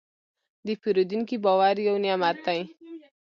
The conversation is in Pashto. د پیرودونکي باور یو نعمت دی.